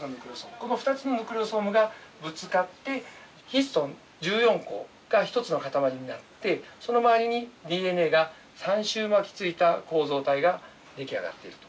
この２つのヌクレオソームがぶつかってヒストン１４個が１つのかたまりになってその周りにＤＮＡが３周巻きついた構造体が出来上がっていると。